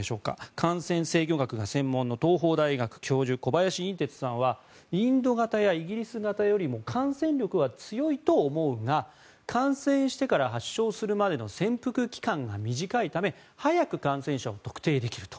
感染制御学が専門の東邦大学教授小林寅てつさんはインド型やイギリス型よりも感染力は強いと思うが感染してから発症するまでの潜伏期間が短いため早く感染者を特定できると。